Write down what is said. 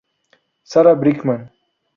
Sarah Brightman.